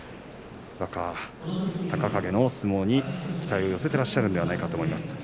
若隆景の相撲に期待を寄せていらっしゃるんじゃないかと思います。